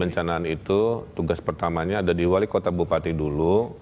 perencanaan itu tugas pertamanya ada di wali kota bupati dulu